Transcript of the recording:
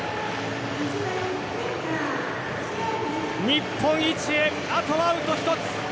日本一へあとアウト１つ。